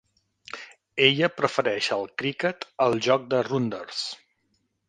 Ella prefereix el criquet al joc de rounders.